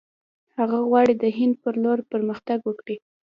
هغه غواړي د هند پر لور پرمختګ وکړي.